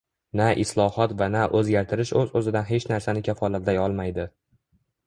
na “islohot” va na “o‘zgartirish” o‘z-o‘zidan hech narsani kafolatlay olmaydi